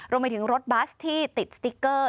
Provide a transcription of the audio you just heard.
รวมไปถึงรถบัสที่ติดสติ๊กเกอร์